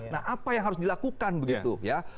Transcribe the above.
nah apa yang harus dilakukan begitu ya